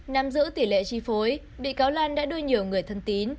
nằm giữ tỷ lệ tri phối bị cáo lan đã đôi nhiều người thân tín